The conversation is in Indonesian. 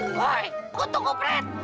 woi gua tunggu fred